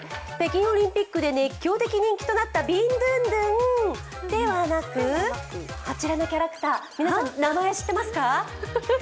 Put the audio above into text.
北京オリンピックで熱狂的人気となったビンドゥンドゥンではなく、こちらのキャラクター、皆さん、名前、知ってますか？